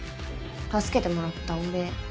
助けてもらったお礼。